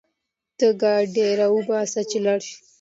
ته ګاډی راوباسه چې لاړ شو